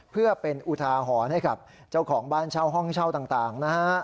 เพื่อเป็นอุทาหรณ์ให้กับเจ้าของบ้านเช่าห้องเช่าต่างนะฮะ